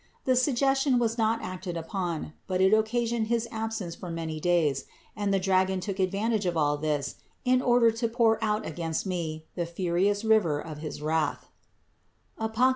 The suggestion was not acted upon, but it occasioned his absence for many days, and the dragon took advantage of all this in order to pour out against me the furious river of his wrath (Apoc.